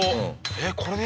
えっこれで？